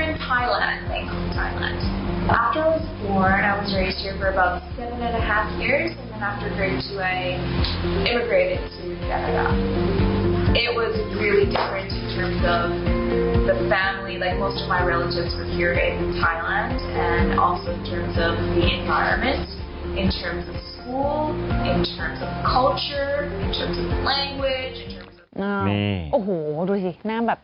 นี่โอ้โหดูสิหน้ามักแบบ